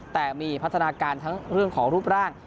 แต่มีพัฒนาการทั้งเรื่องของรูปร่าง